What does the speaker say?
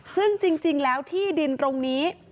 ซึ่งจริงแล้วที่ดินตรงนี้